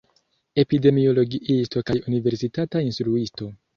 Epidemiologiisto kaj universitata instruisto.